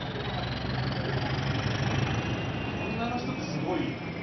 女の人ってすごいよね。